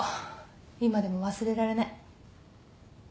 今でも忘れられない。